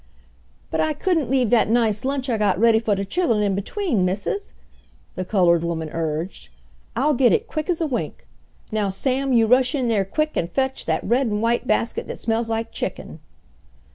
"But I couldn't leab dat nice lunch I got ready fo' de chillen in between, missus," the colored woman urged. "I'll get it quick as a wink. Now, Sam, you rush in dar quick, and fetch dat red and white basket dat smells like chicken!"